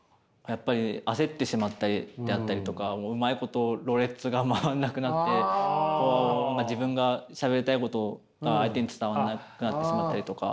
やっぱり焦ってしまったりであったりとかもううまいことろれつが回らなくなって自分がしゃべりたいことが相手に伝わらなくなってしまったりとか。